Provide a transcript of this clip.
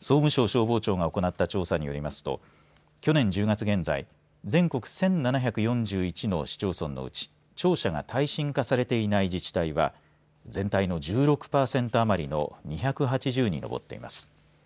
総務省消防庁が行った調査によりますと去年１０月現在全国１７４１の市町村のうち庁舎が耐震化されていない自治体は全体の１６パーセント余りの２８０に上っています。